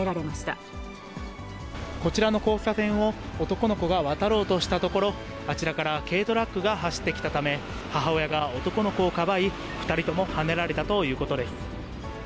こちらの交差点を男の子が渡ろうとしたところ、あちらから軽トラックが走ってきたため、母親が男の子をかばい、２人ともはねられたということです。